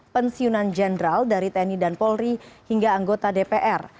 pensiunan jenderal dari tni dan polri hingga anggota dpr